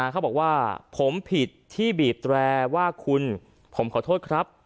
เขาบอกว่าผมผิดที่บีบแตรว่าคุณผมขอโทษครับ